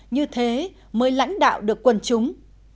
như thế mới lãnh đạo được quần chúng